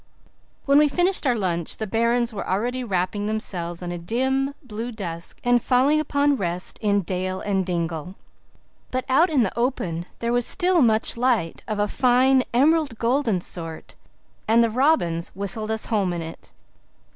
When we finished our lunch the barrens were already wrapping themselves in a dim, blue dusk and falling upon rest in dell and dingle. But out in the open there was still much light of a fine emerald golden sort and the robins whistled us home in it.